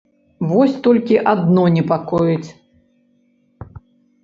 Вось толькі адно непакоіць.